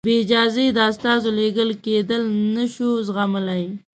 بې اجازې د استازو لېږل کېدل نه شو زغملای.